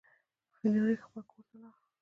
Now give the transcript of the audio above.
فلیریک خپل کور ته لاړ.